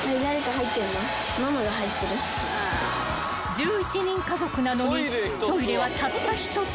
［１１人家族なのにトイレはたった１つ］